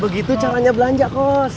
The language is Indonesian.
begitu caranya belanja kos